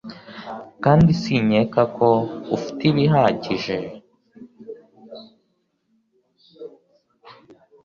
kandi sinkeka ko ufite ibihagije